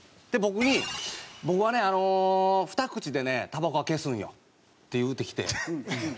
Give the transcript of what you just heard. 僕に「僕はね２口でねたばこは消すんよ」って言うてきて。